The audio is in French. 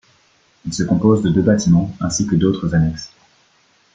Il se compose de deux bâtiments, ainsi que d'autres annexes.